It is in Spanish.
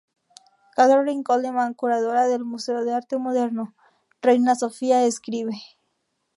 Catherine Coleman, curadora del Museo de Arte Moderno Reina Sofía escribe.